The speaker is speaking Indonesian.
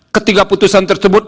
ketika putusan tersebut